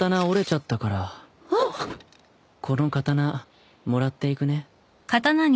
この刀もらっていくね。